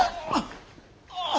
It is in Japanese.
ああ。